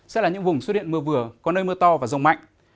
sẽ là những vùng xuất hiện mưa vừa có nơi mưa to và rông mạnh